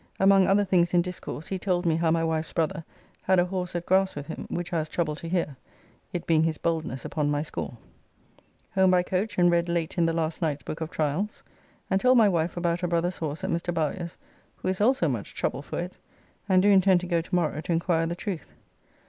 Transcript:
Among other things in discourse he told me how my wife's brother had a horse at grass with him, which I was troubled to hear, it being his boldness upon my score. Home by coach, and read late in the last night's book of Trials, and told my wife about her brother's horse at Mr. Bowyer's, who is also much troubled for it, and do intend to go to morrow to inquire the truth.